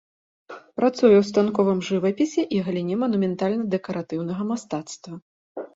Працуе ў станковым жывапісе і галіне манументальна-дэкаратыўнага мастацтва.